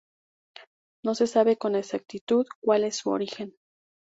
No se sabe con exactitud cuál es su origen.